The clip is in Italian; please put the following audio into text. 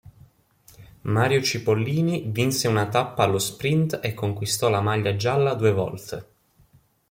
Mario Cipollini vinse una tappa allo sprint e conquistò la maglia gialla due volte.